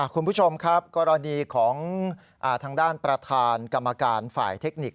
คุณผู้ชมครับกรณีของทางด้านประธานกรรมการฝ่ายเทคนิค